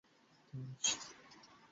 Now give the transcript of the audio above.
আশাকরি ভালো কিছু জানতে পারব।